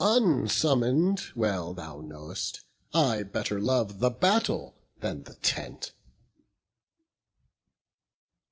unsummon'd, well thou know'st I better love the battle than the tent."